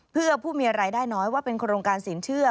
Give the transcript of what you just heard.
เพื่อผู้มีรายได้น้อยว่าเป็นโครงการสินเชื่อ